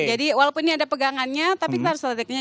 jadi walaupun ini ada pegangannya tapi kita harus ada tekniknya